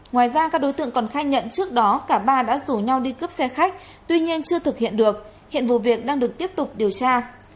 ngoài ra các đối tượng còn khai nhận trước đó cả ba đã rủ nhau đi cướp xe khách tuy nhiên chưa thực hiện được hiện vụ việc đang được tiếp tục điều tra